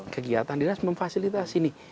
kegiatan dinas memfasilitasi